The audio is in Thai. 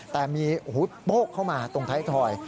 แต่มีโป๊กเข้ามาตรงท้ายถอย